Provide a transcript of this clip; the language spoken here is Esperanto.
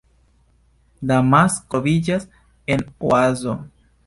Damasko troviĝas en oazo.